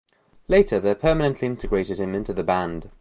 Later they permanently integrated him into the band.